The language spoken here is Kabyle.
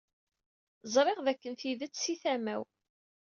Ẓṛiɣ dakken tidett si tama-w.